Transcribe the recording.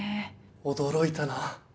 驚いたな。